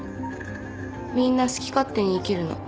みんな好き勝手に生きるの。